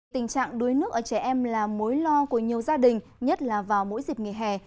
tình trạng đuối nước ở trẻ em là mối lo của nhiều gia đình nhất là vào mỗi dịp nghỉ hè